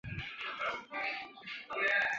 绍兴二年壬子科张九成榜进士。